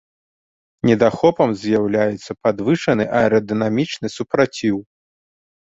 Недахопам з'яўляецца падвышаны аэрадынамічны супраціў.